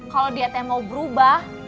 kalau dia teh mau berubah